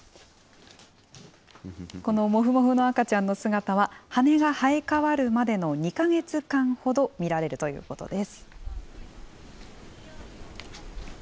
このもふもふの赤ちゃんの姿は、羽が生え変わるまでの２か月間ほど見られるということです。